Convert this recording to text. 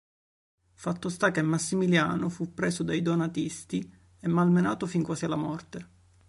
Fatto sta che Massimiano fu preso dai donatisti e malmenato fin quasi alla morte.